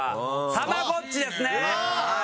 たまごっちですね。